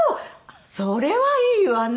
「それはいいわね。